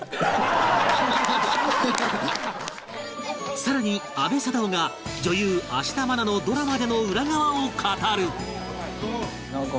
更に阿部サダヲが女優芦田愛菜のドラマでの裏側を語る！